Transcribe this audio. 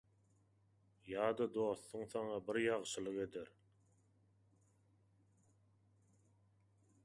Ýa-da dostuň saňa bir ýagşylyk eder.